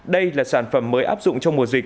đây là sản phẩm mới áp dụng trong mùa dịch